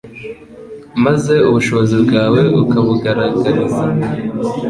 maze ubushobozi bwawe ukabugaragariza